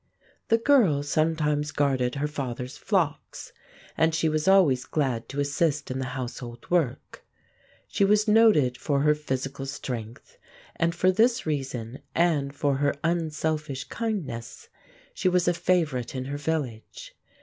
The girl sometimes guarded her father's flocks, and she was always glad to assist in the household work. She was noted for her physical strength, and for this reason and for her unselfish kindness she was a favorite in her village.